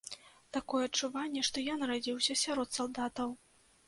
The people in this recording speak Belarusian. Такое адчуванне, што я нарадзіўся сярод салдатаў.